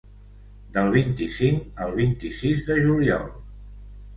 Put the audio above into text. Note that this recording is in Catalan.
Del vint-i-cinc al vint-i-sis de juliol.